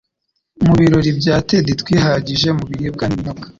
mu birori bya Ted twihajije mu biribwa n'ibinyobwa